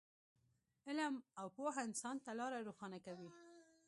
علم او پوهه انسان ته لاره روښانه کوي.